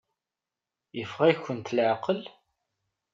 Yeffeɣ-ikent leɛqel?